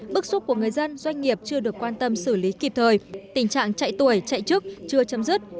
bức xúc của người dân doanh nghiệp chưa được quan tâm xử lý kịp thời tình trạng chạy tuổi chạy trước chưa chấm dứt